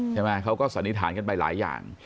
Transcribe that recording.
เขาก็สันนิษฐานกันไปหลายอย่าง